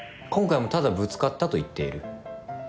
今回もただぶつかったと言っている。